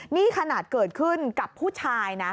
นี่ขนาดเกิดขึ้นกับผู้ชายนะ